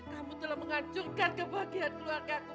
kamu telah menganjurkan kebahagiaan keluargaku